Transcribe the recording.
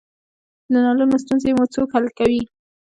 د نلونو ستونزې مو څوک حل کوی؟